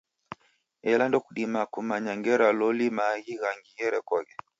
Ela ndokudimagha kumanya ngera loli maaghi ghangi gherekoghe.